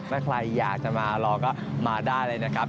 ถ้าใครอยากจะมารอก็มาได้เลยนะครับ